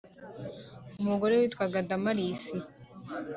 umugore witwaga Damarisi